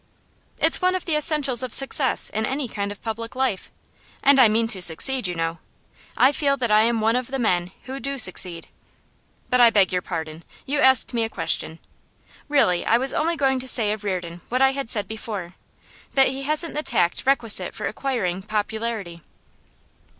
'It's one of the essentials of success in any kind of public life. And I mean to succeed, you know. I feel that I am one of the men who do succeed. But I beg your pardon; you asked me a question. Really, I was only going to say of Reardon what I had said before: that he hasn't the tact requisite for acquiring popularity.